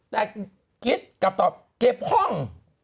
แต่กิ๊บกลับตอบเก็บห้อง